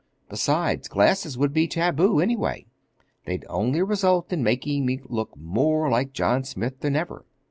Besides, glasses would be taboo, anyway. They'd only result in making me look more like John Smith than ever.